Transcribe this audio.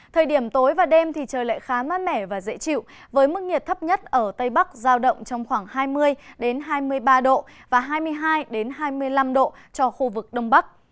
thời điểm tối và đêm thì trời lại khá mát mẻ và dễ chịu với mức nhiệt thấp nhất ở tây bắc giao động trong khoảng hai mươi hai mươi ba độ và hai mươi hai hai mươi năm độ cho khu vực đông bắc